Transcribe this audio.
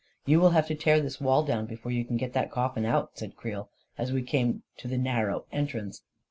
" You will have to tear this wall down before you can get that coffin out," said Creel, as we came to the narrow entrance.